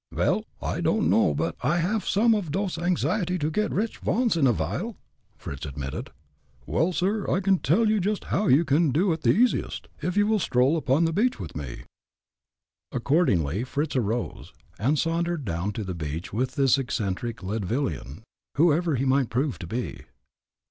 "Vel, I don'd know but I haff some off dose anxiety to get rich, vonce in a vile," Fritz admitted. "Well, sir, I can tell you just how you can do it the easiest, if you will stroll upon the beach with me." Accordingly Fritz arose, and sauntered down to the beach with this eccentric Leadvillian, whoever he might prove to be.